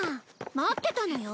待ってたのよ。